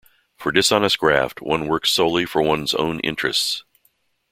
For dishonest graft, one works solely for one's own interests.